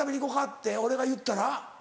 って俺が言ったら？